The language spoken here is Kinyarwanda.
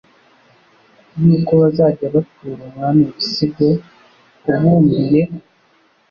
y'uko bazajya batura umwami ibisigo ubumbiye